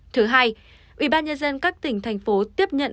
thứ hai ubnd các tỉnh thành phố tiếp nhận